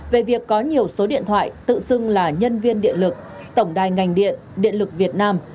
về việc có nhiều số điện thoại tự xưng là nhân viên điện lực tổng đài ngành điện điện lực việt nam